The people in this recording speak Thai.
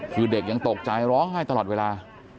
คือเด็กยังตกใจร้องไห้ตลอดเวลา